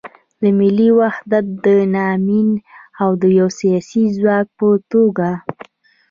د ملي وحدت د تامین او د یو سیاسي ځواک په توګه